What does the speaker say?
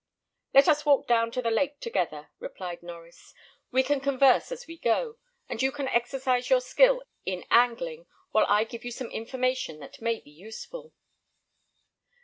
"Let us walk down to the lake together," replied Norries. "We can converse as we go; and you can exercise your skill in angling, while I give you some information that may be useful."